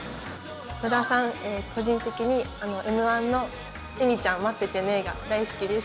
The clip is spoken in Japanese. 野田さん、個人的にМ‐１の恵美ちゃん待っててねが大好きです。